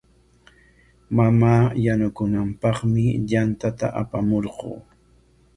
Mamaa yanukunanpaqmi yantata aparquu.